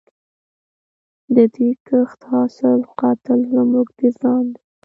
د دې کښت حاصل قاتل زموږ د ځان دی